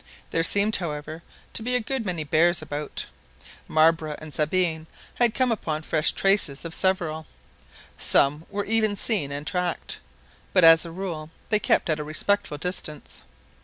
There seemed, however, to be a good many bears about. Marbre and Sabine had come upon the fresh traces of several. Some were even seen and tracked; but, as a rule, they kept at a respectful distance.